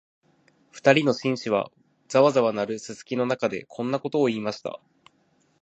二人の紳士は、ざわざわ鳴るすすきの中で、こんなことを言いました